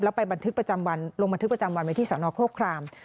แล้วไปบันทึกประจำวันลงบันทึกประจำวันไปที่สระนอคโภคคลาม